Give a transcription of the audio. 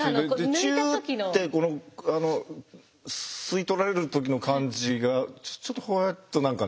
チュッて吸い取られる時の感じがちょっとふわっと何かね